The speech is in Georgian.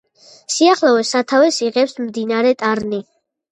სიახლოვეს სათავეს იღებს მდინარე ტარნი.